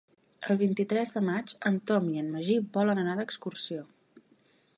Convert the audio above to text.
El vint-i-tres de maig en Tom i en Magí volen anar d'excursió.